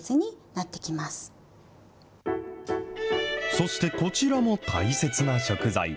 そしてこちらも大切な食材。